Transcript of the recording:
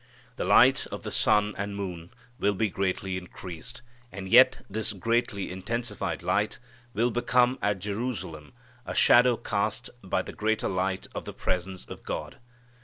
The light of the sun and moon will be greatly increased, and yet this greatly intensified light will become at Jerusalem a shadow cast by the greater light of the presence of God.